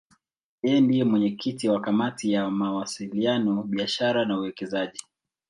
Yeye ndiye mwenyekiti wa Kamati ya Mawasiliano, Biashara na Uwekezaji.